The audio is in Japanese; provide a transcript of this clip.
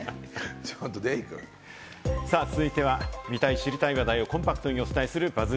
続いては見たい知りたい話題をコンパクトにお伝えするＢＵＺＺ